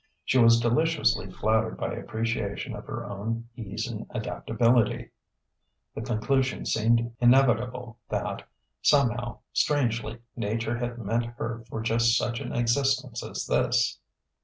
She was deliciously flattered by appreciation of her own ease and adaptability. The conclusion seemed inevitable that, somehow, strangely, Nature had meant her for just such an existence as this.